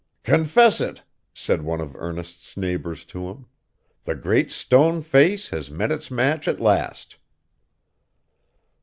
'Confess it,' said one of Ernest's neighbors to him, 'the Great Stone Face has met its match at last!